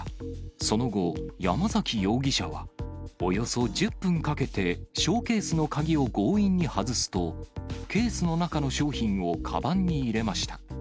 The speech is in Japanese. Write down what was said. その後、山崎容疑者は、およそ１０分かけてショーケースの鍵を強引に外すと、ケースの中の商品をかばんに入れました。